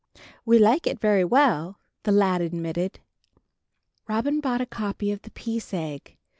"We like it well enough," the lad admitted. Robin bought a copy of "The Peace Egg."